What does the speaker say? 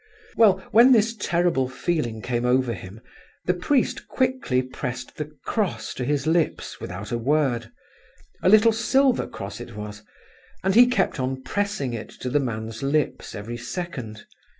Well, when this terrible feeling came over him, the priest quickly pressed the cross to his lips, without a word—a little silver cross it was—and he kept on pressing it to the man's lips every second.